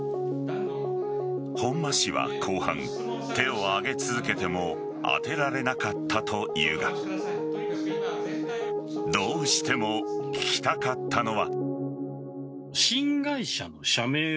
本間氏は後半、手を挙げ続けても当てられなかったというがどうしても聞きたかったのは。